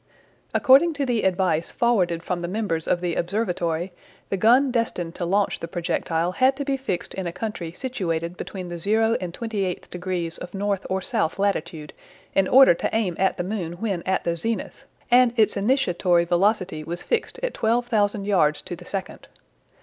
According to the advice forwarded from the members of the Observatory, the gun destined to launch the projectile had to be fixed in a country situated between the 0 and 28th degrees of north or south latitude, in order to aim at the moon when at the zenith; and its initiatory velocity was fixed at twelve thousand yards to the second.